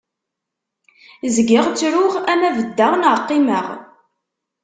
Zgiɣ ttruɣ, ama beddeɣ naɣ qimmeɣ.